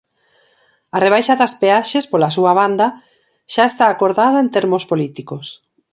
A rebaixa das peaxes, pola súa banda, "xa está acordada en termos políticos".